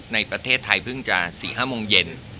ในประเทศไทยเพิ่งจะ๔๕โมงเย็น